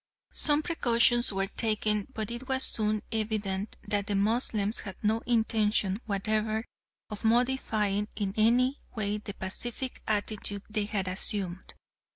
Some precautions were taken, but it was soon evident that the Moslems had no intention whatever of modifying in any way the pacific attitude they had assumed.